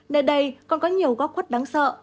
nơi đây còn có nhiều góc quất đáng sợ